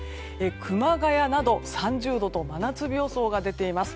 熊谷など３０度と真夏日予想が出ています。